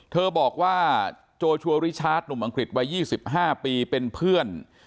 เธอบอกว่าโจชัวริชาร์จหนุ่มอังกฤษวัย๒๕ปีเป็นเพื่อน